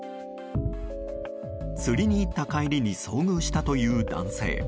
釣りに行った帰りに遭遇したという男性。